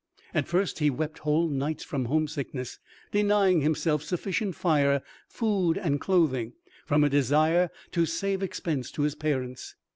At first he wept whole nights from homesickness, denying himself sufficient fire, food, and clothing, from a desire to save expense to his parents.